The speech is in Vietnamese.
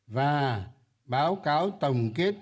và báo cáo tổng kết công tác